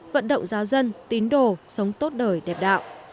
vận động giáo dân tín đồ sống tốt đời đẹp đạo